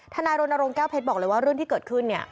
ทนายโรนโรงแก้วเพชรบอกเลยว่าเรื่องที่เกิดขึ้น